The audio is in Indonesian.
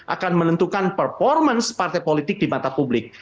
akan menentukan performance partai politik di mata publik